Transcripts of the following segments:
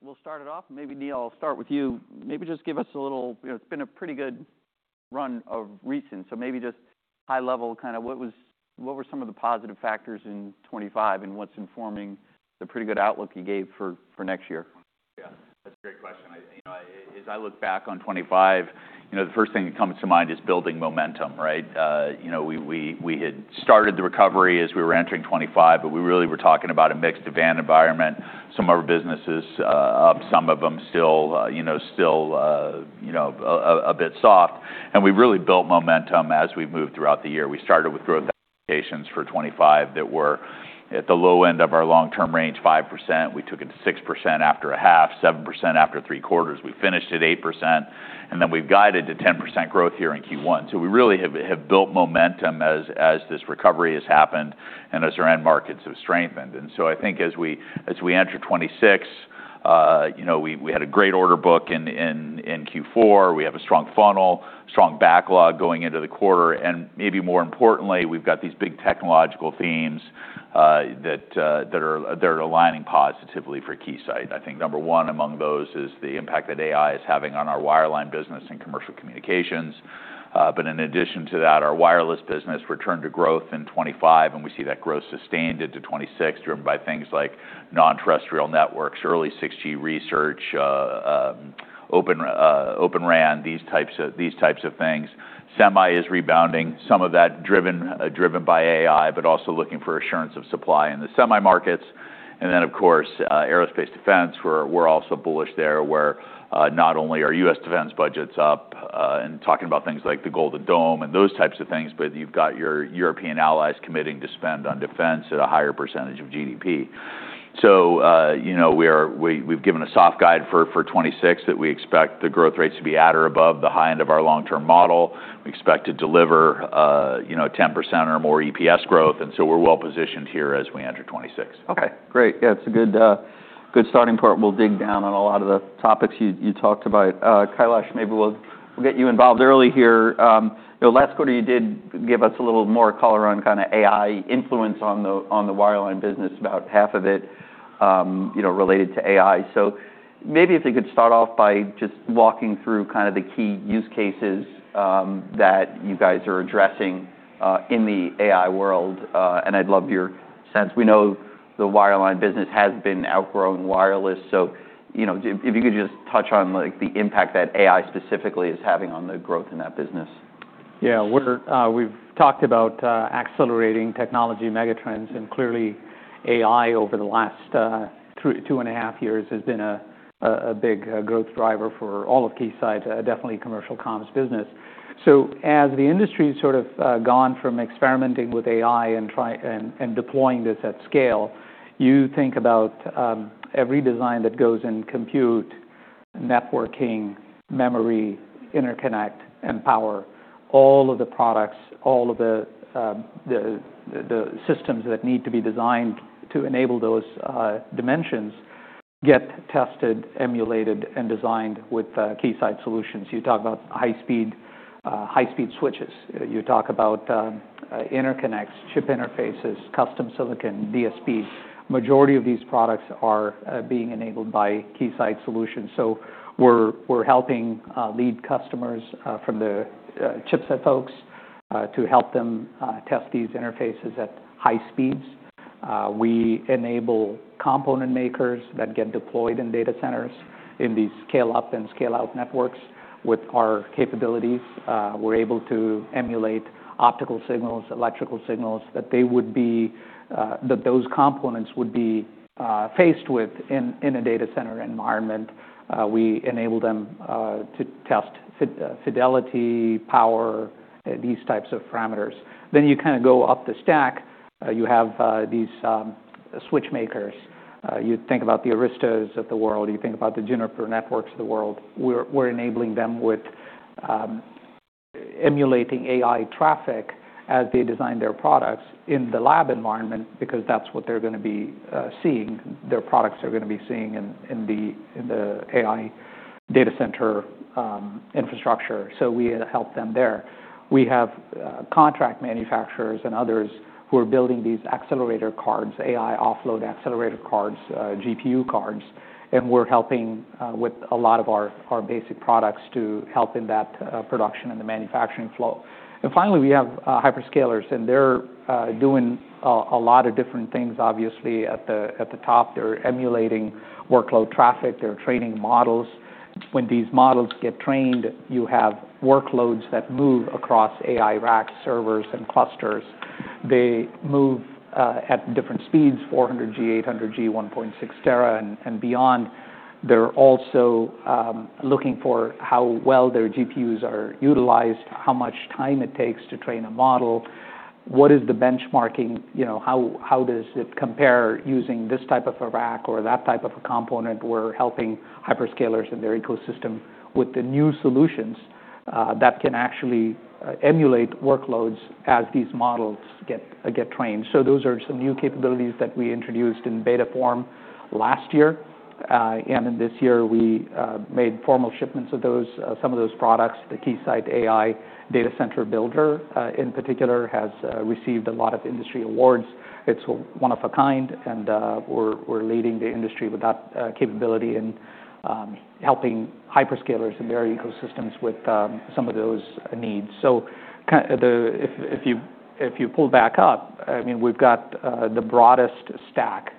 We'll start it off. Maybe, Neil, I'll start with you. Maybe just give us a little, you know, it's been a pretty good run of recent. So maybe just high-level kinda what were some of the positive factors in 2025 and what's informing the pretty good outlook you gave for next year? Yeah. That's a great question. I, you know, as I look back on 2025, you know, the first thing that comes to mind is building momentum, right? You know, we had started the recovery as we were entering 2025, but we really were talking about a mixed end-market environment. Some of our businesses up. Some of them still a bit soft. And we've really built momentum as we've moved throughout the year. We started with growth expectations for 2025 that were at the low end of our long-term range 5%. We took it to 6% after a half. 7% after three quarters. We finished at 8%. And then we've guided to 10% growth here in Q1. So we really have built momentum as this recovery has happened and as our end markets have strengthened. And so I think as we enter 2026 you know we had a great order book in Q4. We have a strong funnel. Strong backlog going into the quarter. And maybe more importantly we've got these big technological themes that are aligning positively for Keysight. I think number one among those is the impact that AI is having on our wireline business and commercial communications. But in addition to that our wireless business returned to growth in 2025. And we see that growth sustained into 2026 driven by things like non-terrestrial networks, early 6G research, Open RAN, these types of things. Semi is rebounding. Some of that driven by AI, but also looking for assurance of supply in the semi markets, and then of course aerospace defense. We're also bullish there, where not only are U.S. defense budgets up and talking about things like the Golden Dome and those types of things, but you've got your European allies committing to spend on defense at a higher percentage of GDP, so you know we've given a soft guide for twenty-six that we expect the growth rates to be at or above the high end of our long-term model. We expect to deliver you know 10% or more EPS growth, and so we're well positioned here as we enter '26. Okay. Great. Yeah, it's a good starting point. We'll dig down on a lot of the topics you talked about. Kailash, maybe we'll get you involved early here. You know, last quarter you did give us a little more color on kinda AI influence on the wireline business, about half of it you know related to AI. So maybe if you could start off by just walking through kinda the key use cases that you guys are addressing in the AI world, and I'd love your sense. We know the wireline business has been outgrowing wireless. So you know if you could just touch on like the impact that AI specifically is having on the growth in that business. Yeah. We've talked about accelerating technology megatrends, and clearly AI over the last two and a half years has been a big growth driver for all of Keysight, definitely commercial comms business, so as the industry's sort of gone from experimenting with AI and try and deploying this at scale, you think about every design that goes in compute, networking, memory, interconnect, and power. All of the products, all of the systems that need to be designed to enable those dimensions get tested, emulated, and designed with Keysight Solutions. You talk about high-speed switches. You talk about interconnects, chip interfaces, custom silicon, DSPs. Majority of these products are being enabled by Keysight Solutions, so we're helping lead customers from the chipset folks to help them test these interfaces at high speeds. We enable component makers that get deployed in data centers in these scale-up and scale-out networks with our capabilities. We're able to emulate optical signals, electrical signals that those components would be faced with in a data center environment. We enable them to test fidelity, power, these types of parameters. Then you kinda go up the stack. You have these switch makers. You think about the Aristas of the world. You think about the Juniper Networks of the world. We're enabling them with emulating AI traffic as they design their products in the lab environment because that's what they're gonna be seeing. Their products are gonna be seeing in the AI data center infrastructure. So we help them there. We have contract manufacturers and others who are building these accelerator cards, AI offload accelerator cards, GPU cards. And we're helping with a lot of our basic products to help in that production and the manufacturing flow. And finally, we have hyperscalers. And they're doing a lot of different things, obviously, at the top. They're emulating workload traffic. They're training models. When these models get trained, you have workloads that move across AI racks, servers, and clusters. They move at different speeds, 400 G, 800 G, 1.6 T, and beyond. They're also looking for how well their GPUs are utilized, how much time it takes to train a model. What is the benchmarking, you know, how does it compare using this type of a rack or that type of a component. We're helping hyperscalers in their ecosystem with the new solutions that can actually emulate workloads as these models get trained. So those are some new capabilities that we introduced in beta form last year, and in this year we made formal shipments of some of those products. The Keysight AI Data Center Builder in particular has received a lot of industry awards. It's one of a kind, and we're leading the industry with that capability in helping hyperscalers in their ecosystems with some of those needs. So kinda, if you pull back up, I mean we've got the broadest stack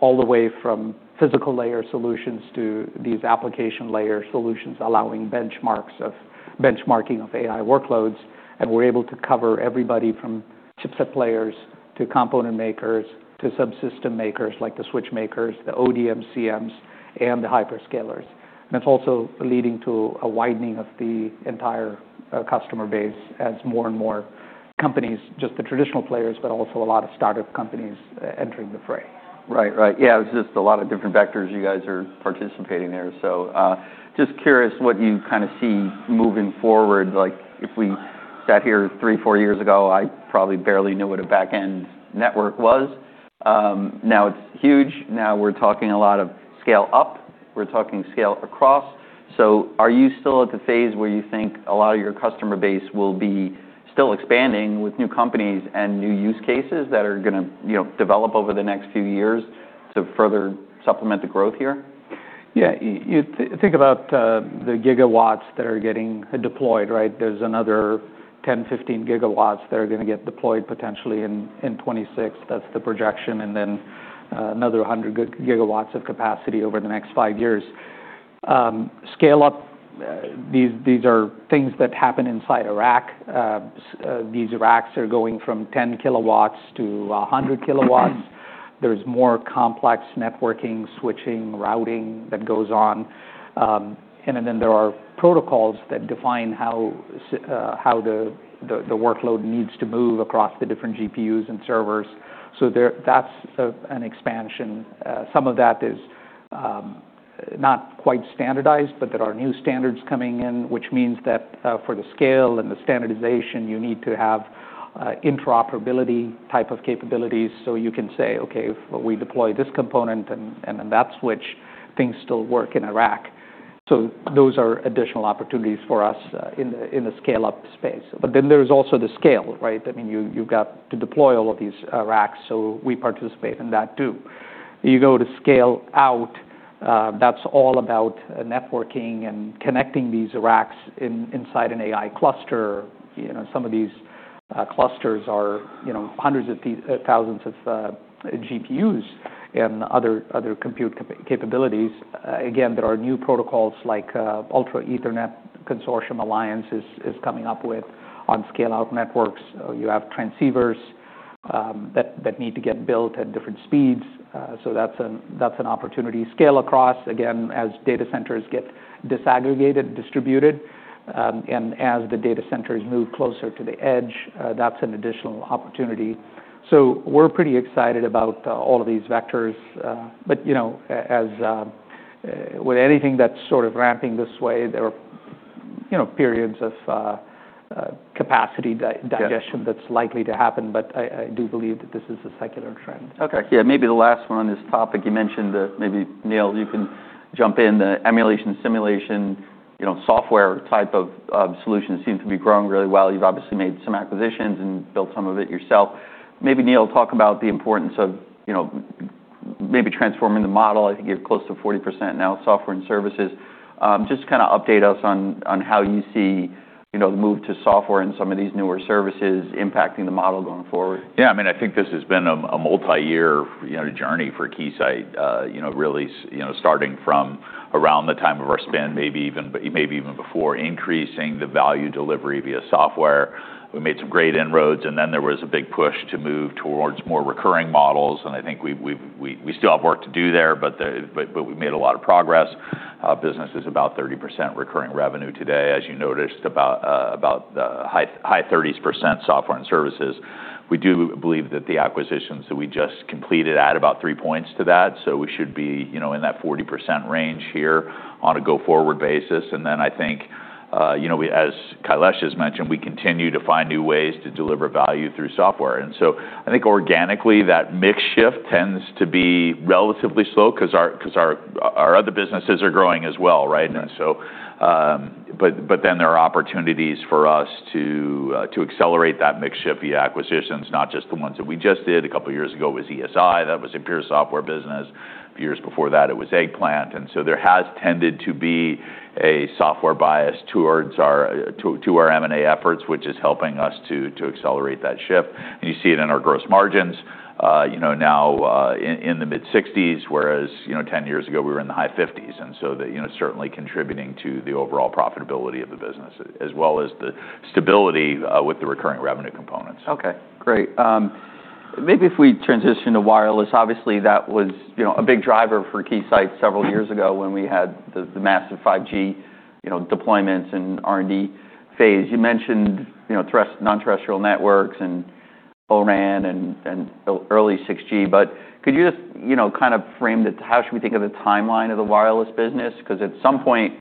all the way from physical layer solutions to these application layer solutions allowing benchmarking of AI workloads. And we're able to cover everybody from chipset players to component makers to subsystem makers like the switch makers, the ODMCMs, and the hyperscalers. And that's also leading to a widening of the entire customer base as more and more companies, just the traditional players but also a lot of startup companies, entering the fray. Right. Right. Yeah. It's just a lot of different vectors you guys are participating there. So just curious what you kinda see moving forward. Like if we sat here three four years ago I probably barely knew what a back-end network was. Now it's huge. Now we're talking a lot of scale up. We're talking scale across. So are you still at the phase where you think a lot of your customer base will be still expanding with new companies and new use cases that are gonna you know develop over the next few years to further supplement the growth here? Yeah. You think about the gigawatts that are getting deployed right? There's another 10-15 gigawatts that are gonna get deployed potentially in 2026. That's the projection. And then another 100 gigawatts of capacity over the next 5 years. Scale up. These are things that happen inside a rack. These racks are going from 10 kilowatts to 100 kilowatts. There's more complex networking, switching, routing that goes on. And then there are protocols that define how the workload needs to move across the different GPUs and servers. So that's an expansion. Some of that is not quite standardized but there are new standards coming in which means that for the scale and the standardization you need to have interoperability type of capabilities. So you can say okay if we deploy this component and then that switch things still work in a rack. So those are additional opportunities for us in the scale-up space. But then there's also the scale right? I mean you've got to deploy all of these racks. So we participate in that too. You go to scale out that's all about networking and connecting these racks inside an AI cluster. You know some of these clusters are you know hundreds of perhaps thousands of GPUs and other compute capabilities. Again there are new protocols like Ultra Ethernet Consortium coming up with on scale-out networks. You have transceivers that need to get built at different speeds. So that's an opportunity. Scale across again as data centers get disaggregated distributed. And as the data centers move closer to the edge, that's an additional opportunity. So we're pretty excited about all of these vectors. But you know, as with anything that's sort of ramping this way, there are, you know, periods of capacity digestion that's likely to happen. But I do believe that this is a secular trend. Okay. Yeah. Maybe the last one on this topic. You mentioned that maybe Neil you can jump in. The emulation simulation you know software type of solutions seem to be growing really well. You've obviously made some acquisitions and built some of it yourself. Maybe Neil talk about the importance of you know maybe transforming the model. I think you're close to 40% now software and services. Just kinda update us on how you see you know the move to software and some of these newer services impacting the model going forward. Yeah. I mean I think this has been a multi-year you know journey for Keysight. You know really starting you know from around the time of our spin maybe even before increasing the value delivery via software. We made some great inroads. And then there was a big push to move towards more recurring models. And I think we've still have work to do there. But we made a lot of progress. Business is about 30% recurring revenue today as you noticed. About the high 30s% software and services. We do believe that the acquisitions that we just completed add about three points to that. So we should be you know in that 40% range here on a go forward basis. And then I think you know we as Kailash has mentioned we continue to find new ways to deliver value through software. And so I think organically that mix shift tends to be relatively slow 'cause our other businesses are growing as well right? Right. And so but then there are opportunities for us to accelerate that mix shift via acquisitions. Not just the ones that we just did a couple years ago was ESI. That was Imperial Software business. A few years before that it was Eggplant. And so there has tended to be a software bias towards our to our M&A efforts which is helping us to accelerate that shift. And you see it in our gross margins. You know now in the mid sixties whereas you know 10 years ago we were in the high fifties. And so you know certainly contributing to the overall profitability of the business as well as the stability with the recurring revenue components. Okay. Great. Maybe if we transition to wireless. Obviously that was you know a big driver for Keysight several years ago when we had the massive 5G you know deployments and R&D phase. You mentioned you know three non-terrestrial networks and O-RAN and early 6G. But could you just you know kinda frame the how should we think of the timeline of the wireless business? 'Cause at some point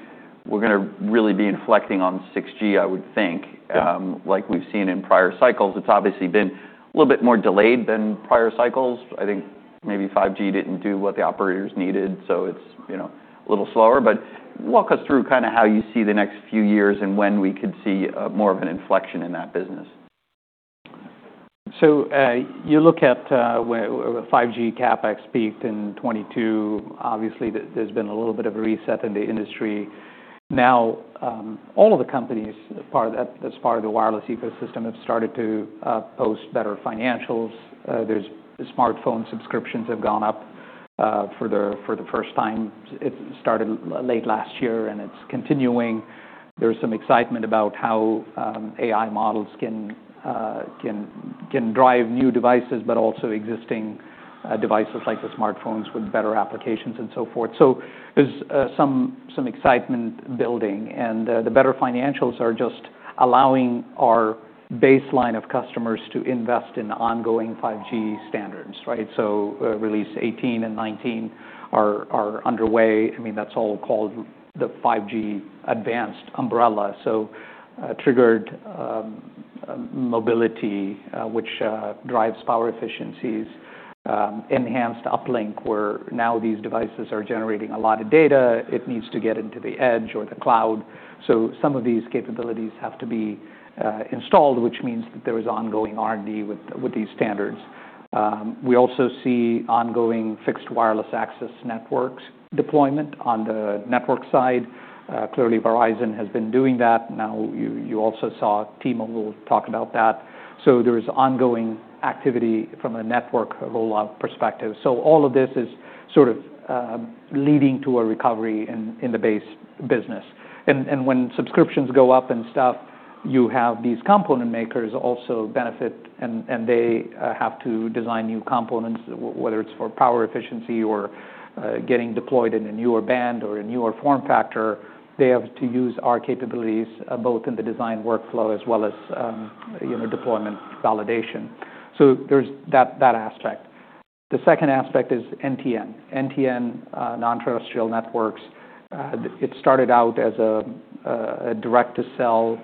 we're gonna really be inflecting on 6G I would think. Yeah. Like we've seen in prior cycles. It's obviously been a little bit more delayed than prior cycles. I think maybe 5G didn't do what the operators needed, so it's, you know, a little slower, but walk us through kinda how you see the next few years and when we could see more of an inflection in that business. So you look at where 5G CapEx peaked in 2022. Obviously there's been a little bit of a reset in the industry. Now all of the companies part of that that's part of the wireless ecosystem have started to post better financials. Their smartphone subscriptions have gone up for the first time. It started late last year and it's continuing. There's some excitement about how AI models can drive new devices but also existing devices like the smartphones with better applications and so forth. So there's some excitement building. And the better financials are just allowing our baseline of customers to invest in ongoing 5G standards, right? So Release 18 and 19 are underway. I mean that's all called the 5G Advanced umbrella. So triggered mobility which drives power efficiencies. Enhanced uplink, where now these devices are generating a lot of data. It needs to get into the edge or the cloud, so some of these capabilities have to be installed, which means that there is ongoing R&D with these standards. We also see ongoing fixed wireless access networks deployment on the network side. Clearly, Verizon has been doing that. Now you also saw T-Mobile talk about that, so there is ongoing activity from a network rollout perspective, so all of this is sort of leading to a recovery in the base business. And when subscriptions go up and stuff, you have these component makers also benefit. And they have to design new components whether it's for power efficiency or getting deployed in a newer band or a newer form factor. They have to use our capabilities both in the design workflow as well as you know deployment validation. So there's that aspect. The second aspect is NTN. NTN, non-terrestrial networks. It started out as a direct-to-cell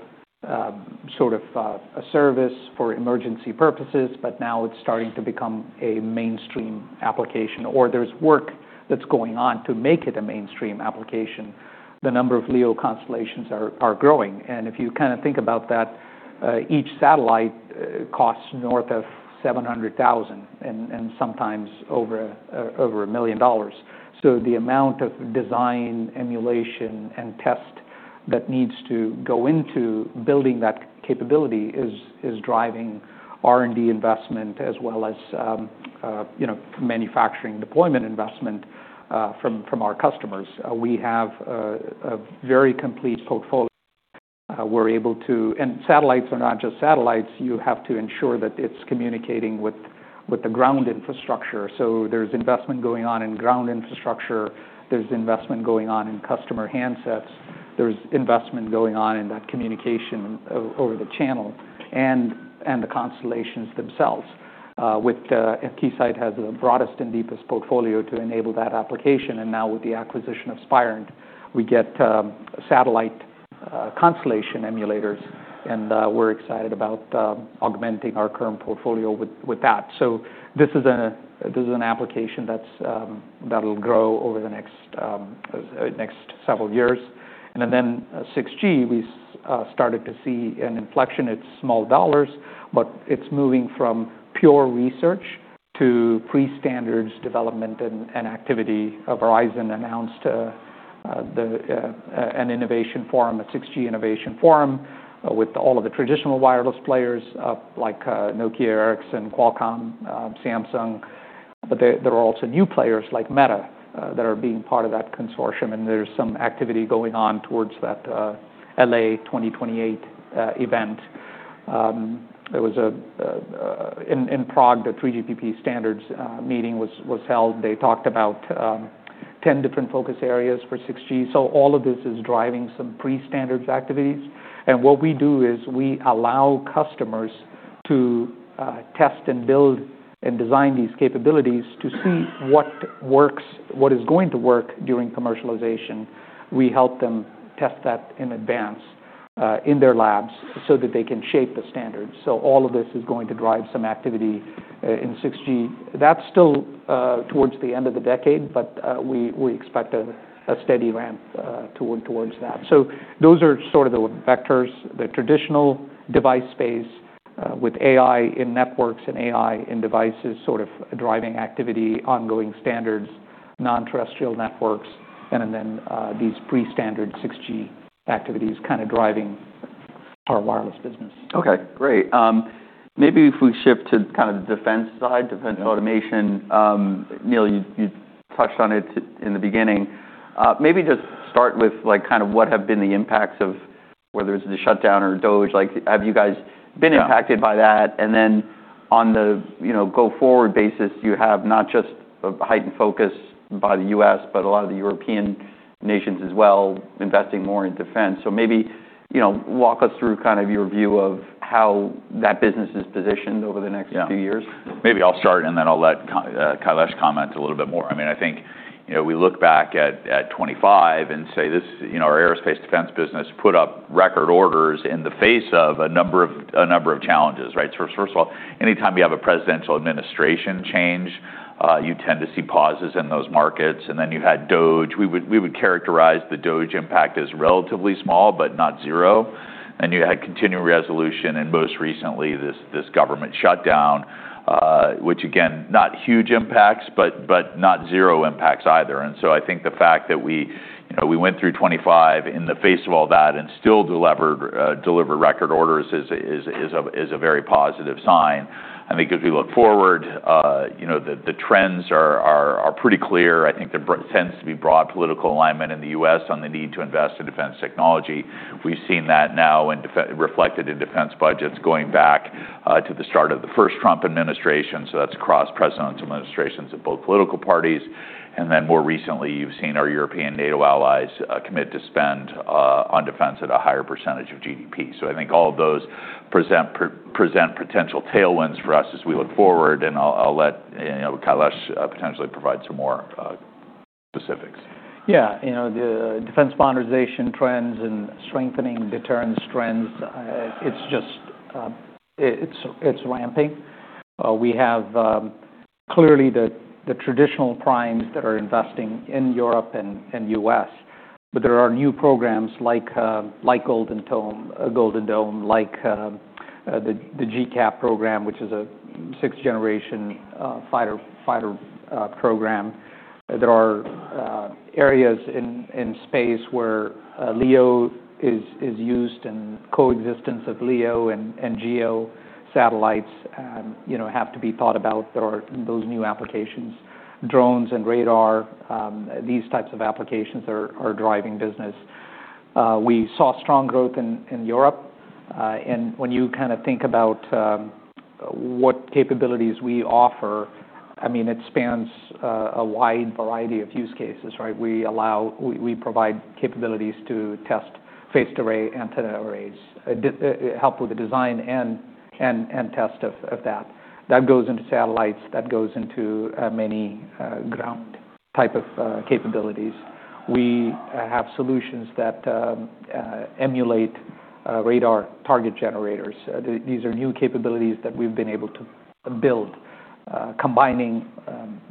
sort of a service for emergency purposes. But now it's starting to become a mainstream application. Or there's work that's going on to make it a mainstream application. The number of LEO constellations are growing. And if you kinda think about that each satellite costs north of $700,000. And sometimes over $1 million. So the amount of design emulation and test that needs to go into building that capability is driving R&D investment as well as you know manufacturing deployment investment from our customers. We have a very complete portfolio. We're able to and satellites are not just satellites. You have to ensure that it's communicating with the ground infrastructure. So there's investment going on in ground infrastructure. There's investment going on in customer handsets. There's investment going on in that communication over the channel. And the constellations themselves. Keysight has the broadest and deepest portfolio to enable that application. And now with the acquisition of Spirent we get satellite constellation emulators. And we're excited about augmenting our current portfolio with that. So this is an application that'll grow over the next several years. And then 6G we've started to see an inflection. It's small dollars. But it's moving from pure research to pre-standards development and activity. Verizon announced an innovation forum, a 6G innovation forum with all of the traditional wireless players like Nokia, Ericsson, Qualcomm, Samsung. But there are also new players like Meta that are being part of that consortium. And there's some activity going on towards that LA 2028 event. There was in Prague the 3GPP standards meeting was held. They talked about 10 different focus areas for 6G. So all of this is driving some pre-standards activities. And what we do is we allow customers to test and build and design these capabilities to see what works what is going to work during commercialization. We help them test that in advance in their labs so that they can shape the standards. So all of this is going to drive some activity in 6G. That's still towards the end of the decade. But we expect a steady ramp toward that. So those are sort of the vectors. The traditional device space with AI in networks and AI in devices sort of driving activity, ongoing standards non-terrestrial networks, and then these pre-standard 6G activities kinda driving our wireless business. Okay. Great. Maybe if we shift to kinda the defense side, defense automation. Neil, you touched on it in the beginning. Maybe just start with like kinda what have been the impacts of whether it's the shutdown or a DOGE. Like, have you guys been impacted by that? And then on the, you know, go forward basis, you have not just a heightened focus by the U.S. but a lot of the European nations as well investing more in defense. So maybe, you know, walk us through kind of your view of how that business is positioned over the next few years. Yeah. Maybe I'll start and then I'll let Kailash comment a little bit more. I mean I think you know we look back at 2025 and say this you know our aerospace defense business put up record orders in the face of a number of challenges right? So first of all anytime you have a presidential administration change you tend to see pauses in those markets, and then you had DOGE. We would characterize the DOGE impact as relatively small but not zero. And you had continuing resolution. And most recently this government shutdown which again not huge impacts but not zero impacts either. And so I think the fact that we you know we went through 2025 in the face of all that and still delivered record orders is a very positive sign. I think as we look forward, you know, the trends are pretty clear. I think there tends to be broad political alignment in the U.S. on the need to invest in defense technology. We've seen that now definitely reflected in defense budgets going back to the start of the first Trump administration. So that's across presidential administrations of both political parties. And then more recently you've seen our European NATO allies commit to spend on defense at a higher percentage of GDP. So I think all of those present potential tailwinds for us as we look forward. And I'll let Kailash potentially provide some more specifics. Yeah. You know the defense modernization trends and strengthening deterrence trends it's just ramping. We have clearly the traditional primes that are investing in Europe and US. But there are new programs like Golden Dome like the GCAP program which is a six generation fighter program. There are areas in space where LEO is used and coexistence of LEO and GEO satellites you know have to be thought about. There are those new applications drones and radar. These types of applications are driving business. We saw strong growth in Europe, and when you kinda think about what capabilities we offer I mean it spans a wide variety of use cases right? We provide capabilities to test phased array antenna arrays. Does it help with the design and test of that. That goes into satellites. That goes into many ground-type capabilities. We have solutions that emulate radar target generators. These are new capabilities that we've been able to build combining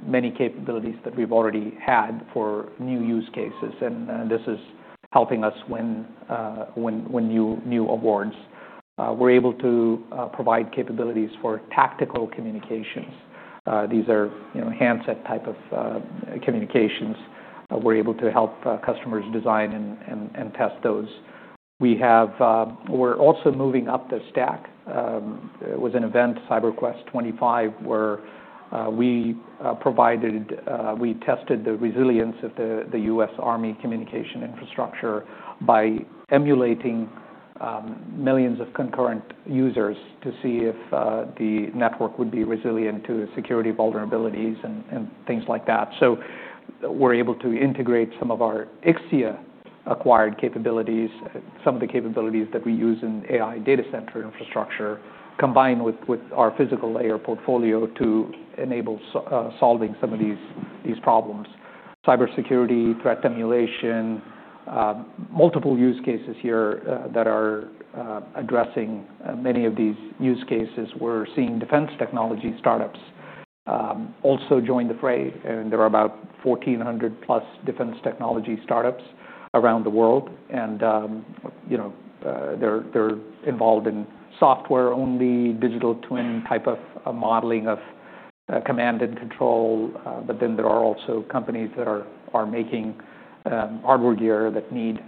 many capabilities that we've already had for new use cases. This is helping us win new awards. We're able to provide capabilities for tactical communications. These are you know handset-type communications. We're able to help customers design and test those. We're also moving up the stack. It was an event Cyber Quest 25 where we tested the resilience of the US Army communication infrastructure by emulating millions of concurrent users to see if the network would be resilient to security vulnerabilities and things like that. So we're able to integrate some of our Ixia-acquired capabilities, some of the capabilities that we use in AI data center infrastructure combined with our physical layer portfolio to enable solving some of these problems, cybersecurity threat emulation, multiple use cases here that are addressing many of these use cases. We're seeing defense technology startups also join the fray, and there are about 1,400-plus defense technology startups around the world. You know they're involved in software-only digital twin type of modeling of command and control, but then there are also companies that are making hardware gear that need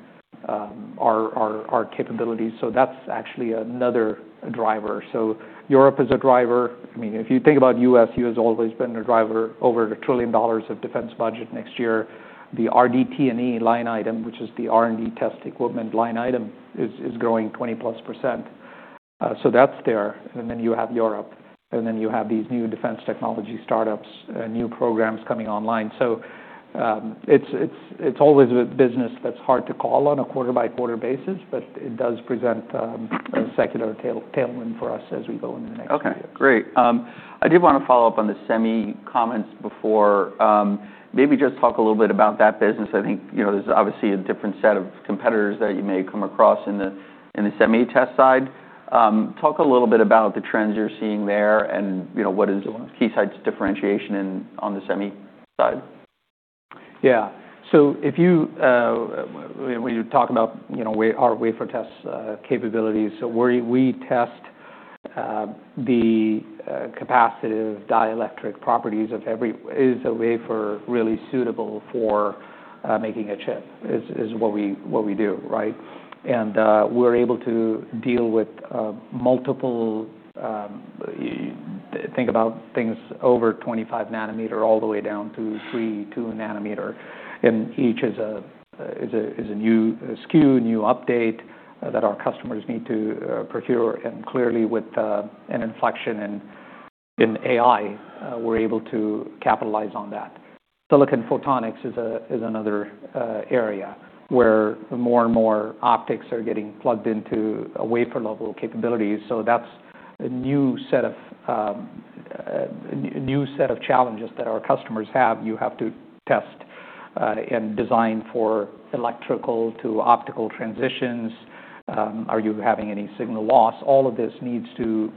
our capabilities, so that's actually another driver. Europe is a driver. I mean if you think about the U.S., it has always been a driver, over $1 trillion of defense budget next year. The RDT&E line item, which is the R&D test equipment line item, is growing 20-plus%, so that's there, and then you have Europe, and then you have these new defense technology startups, new programs coming online, so it's always a business that's hard to call on a quarter-by-quarter basis, but it does present a secular tailwind for us as we go into the next few years. Okay. Great. I did wanna follow up on the semi comments before. Maybe just talk a little bit about that business. I think you know there's obviously a different set of competitors that you may come across in the semi test side. Talk a little bit about the trends you're seeing there. And you know what is Keysight's differentiation in the semi side? Yeah. So if you when you talk about you know our wafer test capabilities. So we test the capacitive dielectric properties of every wafer is a wafer really suitable for making a chip is what we do right? And we're able to deal with multiple. You think about things over 25-nanometer all the way down to 3.2-nanometer. And each is a new SKU new update that our customers need to procure. And clearly with an inflection in AI we're able to capitalize on that. Silicon Photonics is another area where more and more optics are getting plugged into a wafer-level capability. So that's a new set of challenges that our customers have. You have to test and design for electrical to optical transitions. Are you having any signal loss? All of this needs to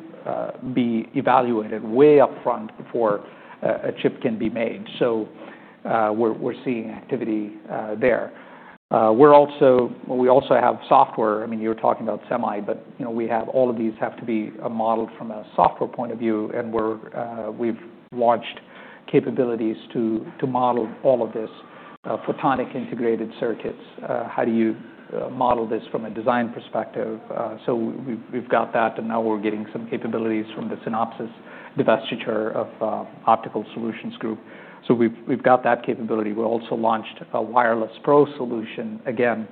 be evaluated way up front before a chip can be made. So we're seeing activity there. We also have software. I mean, you're talking about semi. But you know we have all of these have to be modeled from a software point of view. And we've launched capabilities to model all of this photonic integrated circuits. How do you model this from a design perspective? So we've got that. And now we're getting some capabilities from the Synopsys divestiture of Optical Solutions Group. So we've got that capability. We also launched a WaferPro solution again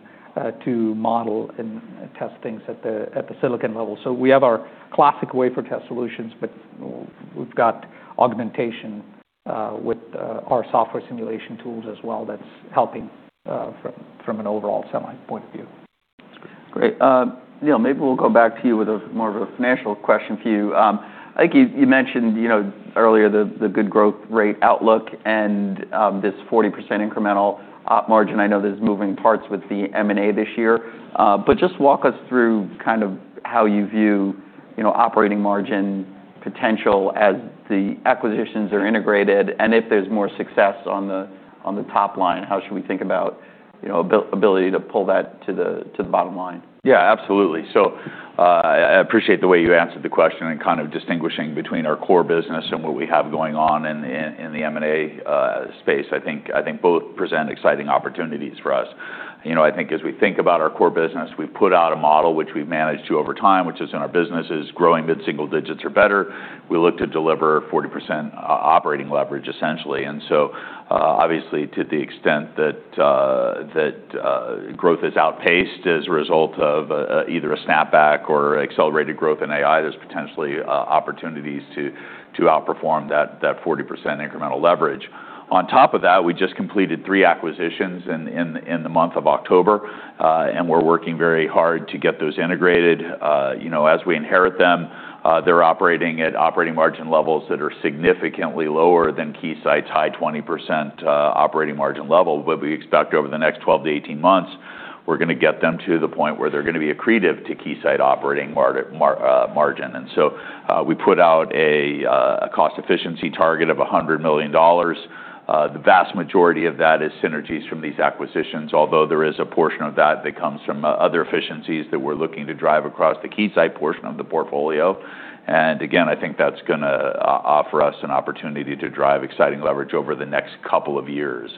to model and test things at the silicon level. So we have our classic wafer test solutions. But we've got augmentation with our software simulation tools as well, that's helping from an overall semi point of view. That's great. Neil, maybe we'll go back to you with a more of a financial question for you. I think you mentioned you know earlier the good growth rate outlook and this 40% incremental op margin. I know there's moving parts with the M&A this year, but just walk us through kind of how you view you know operating margin potential as the acquisitions are integrated, and if there's more success on the top line how should we think about you know ability to pull that to the bottom line? Yeah. Absolutely. So I appreciate the way you answered the question and kind of distinguishing between our core business and what we have going on in the M&A space. I think both present exciting opportunities for us. You know I think as we think about our core business we've put out a model which we've managed to over time which is in our business is growing mid single digits or better. We look to deliver 40% operating leverage essentially. And so obviously to the extent that growth is outpaced as a result of either a snapback or accelerated growth in AI there's potentially opportunities to outperform that 40% incremental leverage. On top of that we just completed three acquisitions in the month of October, and we're working very hard to get those integrated. You know, as we inherit them, they're operating at operating margin levels that are significantly lower than Keysight's high 20% operating margin level. But we expect over the next 12-18 months we're gonna get them to the point where they're gonna be accretive to Keysight operating margin. And so we put out a cost efficiency target of $100 million. The vast majority of that is synergies from these acquisitions. Although there is a portion of that that comes from other efficiencies that we're looking to drive across the Keysight portion of the portfolio. And again I think that's gonna offer us an opportunity to drive exciting leverage over the next couple of years.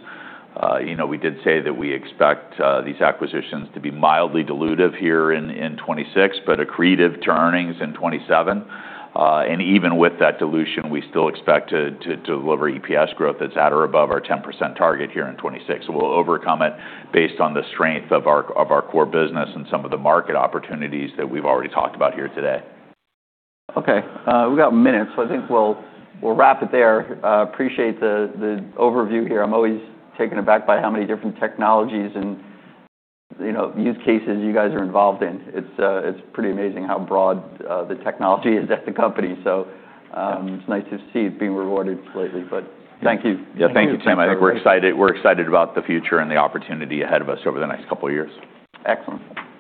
You know, we did say that we expect these acquisitions to be mildly dilutive here in 2026 but accretive to earnings in 2027. and even with that dilution we still expect to deliver EPS growth that's at or above our 10% target here in 2026. So we'll overcome it based on the strength of our core business and some of the market opportunities that we've already talked about here today. Okay. We got minutes. So I think we'll wrap it there. Appreciate the overview here. I'm always taken aback by how many different technologies and you know use cases you guys are involved in. It's pretty amazing how broad the technology is at the company. So it's nice to see it being rewarded lately. But thank you. Yeah. Thank you Tim. I think we're excited about the future and the opportunity ahead of us over the next couple of years. Excellent. Thank you.